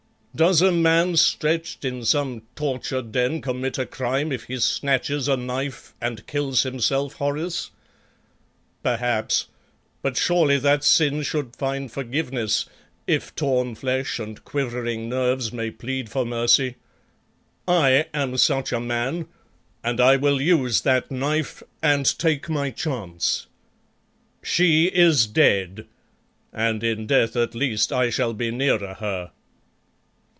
"Does a man stretched in some torture den commit a crime if he snatches a knife and kills himself, Horace? Perhaps; but surely that sin should find forgiveness if torn flesh and quivering nerves may plead for mercy. I am such a man, and I will use that knife and take my chance. She is dead, and in death at least I shall be nearer her."